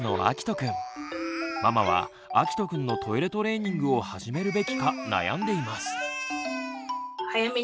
ママはあきとくんのトイレトレーニングを始めるべきか悩んでいます。